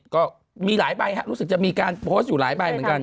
ก็มีหลายใบรู้สึกจะมีการโพสต์อยู่หลายใบเหมือนกัน